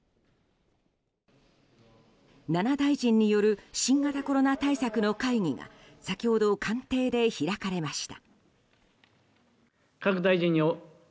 ７大臣による新型コロナ対策の会議が先ほど官邸で開かれました。